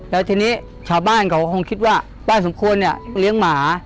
แล้วทีนี้ชาวบ้านเขาคงคิดว่าป้าสมควรเนี่ยเลี้ยงหมา